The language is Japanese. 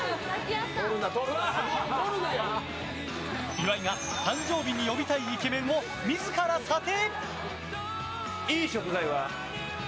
岩井が誕生日に呼びたいイケメンを自ら査定。